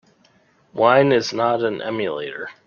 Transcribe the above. Wine is not an emulator.